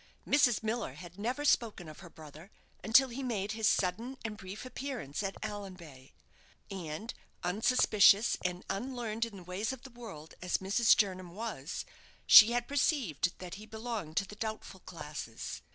Mrs. Miller had never spoken of her brother until he made his sudden and brief appearance at Allanbay; and unsuspicious and unlearned in the ways of the world as Mrs. Jernam was, she had perceived that he belonged to the doubtful classes.